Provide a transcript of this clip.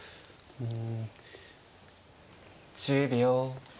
うん。